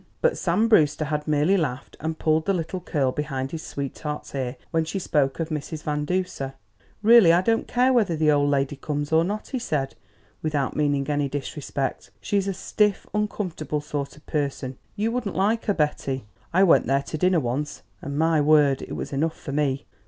But Sam Brewster had merely laughed and pulled the little curl behind his sweetheart's ear when she spoke of Mrs. Van Duser. "Really, I don't care whether the old lady comes or not," he said, without meaning any disrespect. "She's a stiff, uncomfortable sort of person; you wouldn't like her, Betty. I went there to dinner once, and, my word, it was enough for me!"